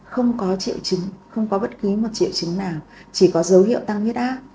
không có triệu chứng không có bất kỳ triệu chứng nào chỉ có dấu hiệu tăng huyết áp